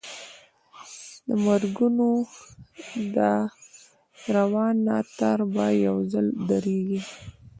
د مرګونو دا روان ناتار به یو ځل درېږي.